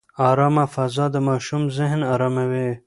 ارامه فضا د ماشوم ذهن اراموي.